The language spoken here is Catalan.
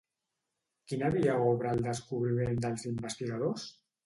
Quina via obre el descobriment dels investigadors?